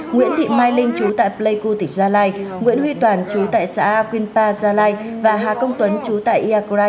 nguyễn thị mai linh chú tại pleiku tỉnh gia lai nguyễn huy toàn chú tại xã quyên pa gia lai và hà công tuấn chú tại iacrai gia lai